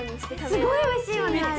すごいおいしいよねあれ！